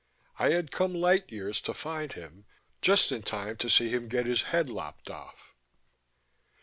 I had come light years to find him, just in time to see him get his head lopped off.